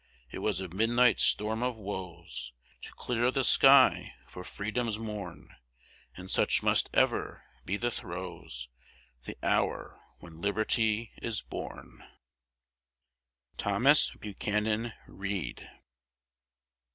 It was a midnight storm of woes To clear the sky for Freedom's morn; And such must ever be the throes The hour when Liberty is born. THOMAS BUCHANAN READ.